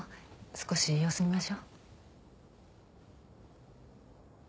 少し様子見ましょう。